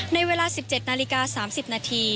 ในเวลา๑๗นาฬิกา๓๐นาที